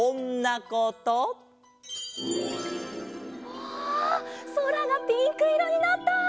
わあそらがピンクいろになった！